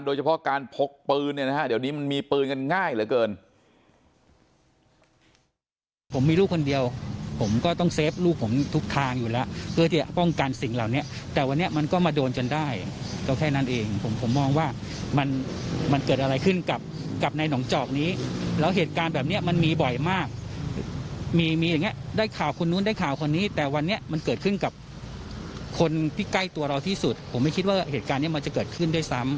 โดยเฉพาะการพกปืนเนี่ยนะฮะเดี๋ยวนี้มันมีปืนกันง่ายเหลือเกิน